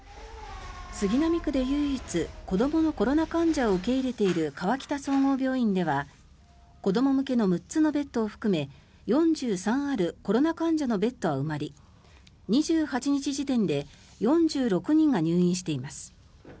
杉並区で唯一子どものコロナ患者を受け入れている河北総合病院では子ども向けの６つのベッドを含め４３あるコロナ患者のベッドは埋まり２８日時点で４６人が入院しています。